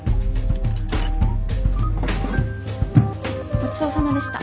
ごちそうさまでした。